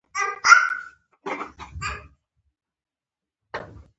هګۍ د ښایست لپاره هم کارېږي.